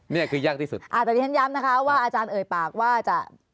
นี่คือยากที่สุดอ่าแต่ที่ฉันย้ำนะคะว่าอาจารย์เอ่ยปากว่าจะ